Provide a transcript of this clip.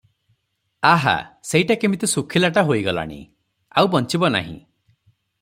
ଆହା! ସେଇଟା କିମିତି ଶୁଖିଲାଟା ହୋଇଗଲାଣି, ଆଉ ବଞ୍ଚିବ ନାହିଁ ।